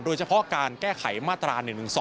โดยเฉพาะการแก้ไขมาตรา๑๑๒